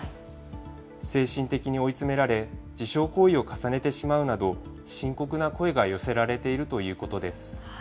精神的に追い詰められ、自傷行為を重ねてしまうなど、深刻な声が寄せられているということです。